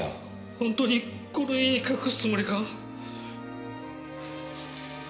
本当にこの家に隠すつもりか？